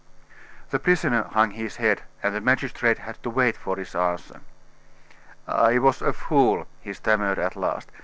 The prisoner hung his head, and the magistrate had to wait for his answer. "I was a fool," he stammered at last.